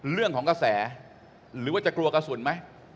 เรื่องของกระแสหรือว่าจะกลัวกระสุนไหม